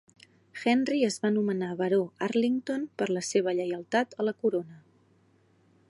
Henry es va nomenar Baró Arlington per la seva lleialtat a la corona.